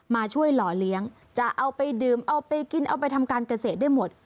มาช่วยหล่อเลี้ยงจะเอาไปดื่มเอาไปกินเอาไปทำการเกษตรได้หมด